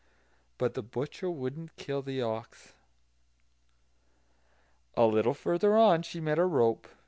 But the butcher wouldn't kill the ox. A little further on she met a rope.